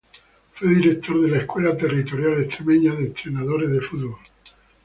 Fue Director de la Escuela Territorial Extremeña de Entrenadores de Fútbol.